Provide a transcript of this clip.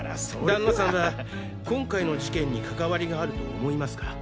旦那さんは今回の事件に関わりがあると思いますか？